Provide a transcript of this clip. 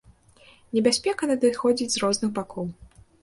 Небяспека надыходзіць з розных бакоў.